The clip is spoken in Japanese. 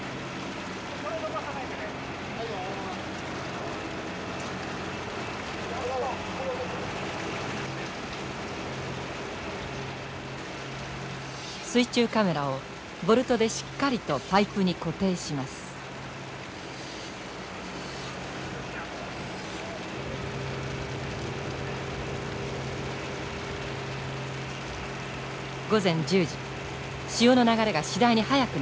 午前１０時潮の流れが次第に速くなってきました。